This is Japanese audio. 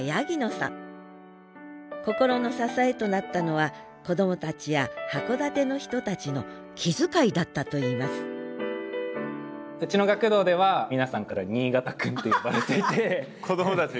心の支えとなったのは子どもたちや函館の人たちの気遣いだったといいますうちの学童では皆さんから子どもたち？